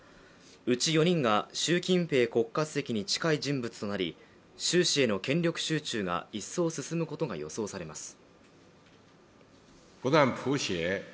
うち４人が習近平国家主席に近い人物となり習氏への権力集中が一層進むことが予想されます。